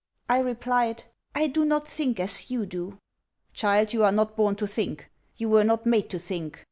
I replied, 'I do not think as you do.' 'Child, you are not born to think; you were not made to think.'